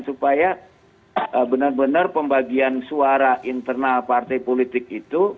supaya benar benar pembagian suara internal partai politik itu